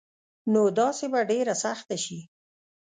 نو داسي به ډيره سخته شي